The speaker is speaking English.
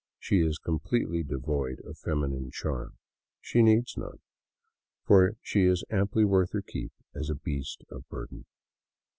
She is completely devoid of feminine charm. She needs none, for she is amply worth her keep as a beast of burden.